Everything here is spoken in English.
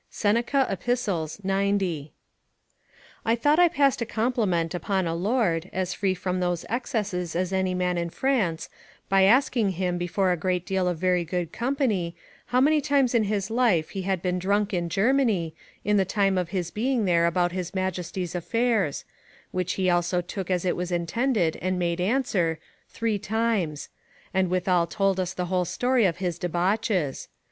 Seneca, Ep., 90] I thought I passed a compliment upon a lord, as free from those excesses as any man in France, by asking him before a great deal of very good company, how many times in his life he had been drunk in Germany, in the time of his being there about his Majesty's affairs; which he also took as it was intended, and made answer, "Three times"; and withal told us the whole story of his debauches.